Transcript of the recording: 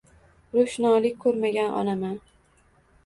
Ro‘shnolik ko‘rmagan onam-a!